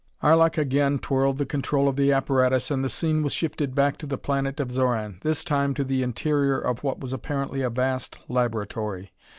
Arlok again twirled the control of the apparatus and the scene was shifted back to the planet of Xoran, this time to the interior of what was apparently a vast laboratory.